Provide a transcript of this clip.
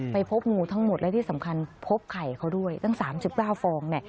ไปพบงูทั้งหมดและที่สำคัญพบไข่เขาด้วยตั้ง๓๙ฟองเนี่ย